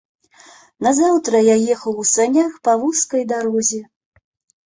Назаўтра я ехаў у санях па вузкай дарозе.